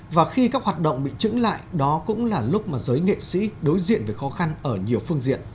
và khi các hoạt động bị trứng lại đó cũng là lúc mà giới nghệ sĩ đối diện với khó khăn ở nhiều phương diện